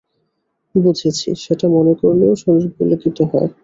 বুঝেছি, সেটা মনে করলেও শরীর পুলকিত হয়।